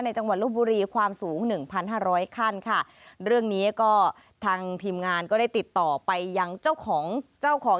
จังหวัดลบบุรีความสูงหนึ่งพันห้าร้อยขั้นค่ะเรื่องนี้ก็ทางทีมงานก็ได้ติดต่อไปยังเจ้าของเจ้าของ